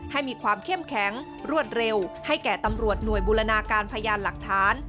ให้มีความเข้มแข็งรวดเร็วให้แก่ตำรวจหน่วยบูรณาการพยานหลักฐาน